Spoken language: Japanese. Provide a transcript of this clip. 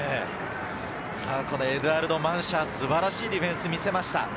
エドゥアルド・マンシャ、素晴らしいディフェンスを見せました。